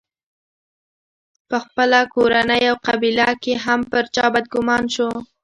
په خپله کورنۍ او قبیله کې هم پر چا بدګومان شو.